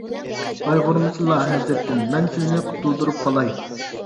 قايغۇرمىسىلا، ھەزرىتىم، مەن سىلىنى قۇتۇلدۇرۇپ قالاي.